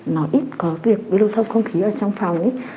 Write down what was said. nó ít có việc lưu thông không khí ở trong phòng ấy